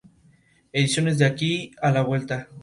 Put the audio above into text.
Ediciones De Aquí a la Vuelta.